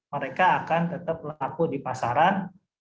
mereka akan tetap laku di pasaran